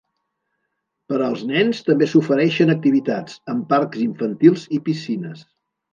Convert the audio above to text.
Per als nens també s'ofereixen activitats, amb parcs infantils i piscines.